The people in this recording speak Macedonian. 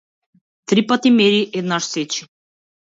Три пати мери, еднаш сечи.